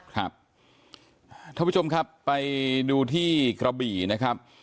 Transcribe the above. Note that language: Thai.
ท่านผู้ชมครับไปดูที่กระบี่นะครับ